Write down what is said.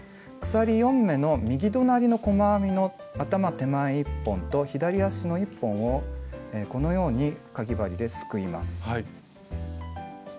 鎖４目の右隣の細編みの頭手前１本と左足の１本をこのようにかぎ針ですくいます。